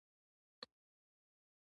د زابل په ارغنداب کې د مرمرو نښې شته.